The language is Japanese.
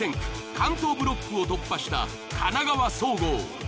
関東ブロックを突破した神奈川総合。